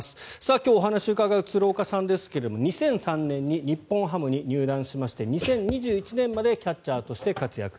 今日お話を伺う鶴岡さんですが２００３年に日本ハムに入団しまして２０２１年までキャッチャーとして活躍。